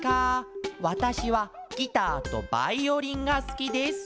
わたしはギターとバイオリンがすきです！」。